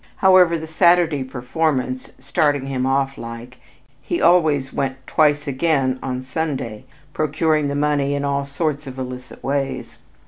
However, the Saturday performance, "starting him off like," he always went twice again on Sunday, procuring the money in all sorts of illicit ways.